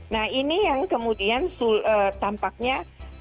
nah ini yang kemudian tampaknya